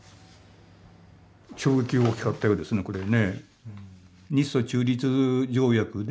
衝撃が大きかったようですねこれね。